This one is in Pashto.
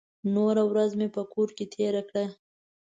نوره ورځ مې په کور کې تېره کړه.